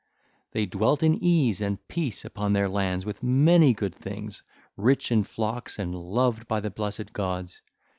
They dwelt in ease and peace upon their lands with many good things, rich in flocks and loved by the blessed gods.